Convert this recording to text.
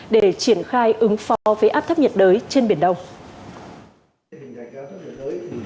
để triển khai ứng phó với áp thấp nhiệt đới trên biển đông